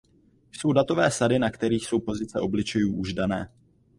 Jsou datové sady na kterých jsou pozice obličejů už dané.